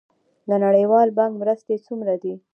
د نړیوال بانک مرستې څومره دي؟